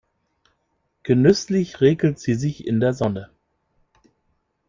Genüsslich räkelt sie sich in der Sonne.